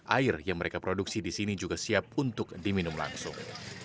air yang mereka produksi di sini juga siap untuk diminum langsung